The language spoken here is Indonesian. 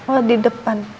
oh di depan